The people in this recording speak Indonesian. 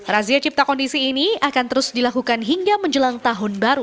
razia cipta kondisi ini akan terus dilakukan hingga menjelang tahun baru